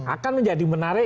akan menjadi menarik